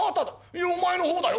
いやお前の方だよ。